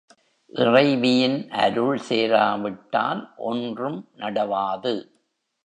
இறைவியின் அருள் சேராவிட்டால் ஒன்றும் நடவாது.